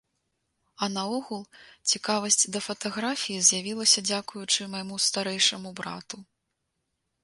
А наогул, цікавасць да фатаграфіі з'явілася дзякуючы майму старэйшаму брату.